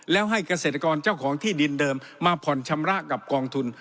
แล้วให้เกษตรกรเจ้าของที่ดินเดิมมาผ่อนชำระกับกองทุน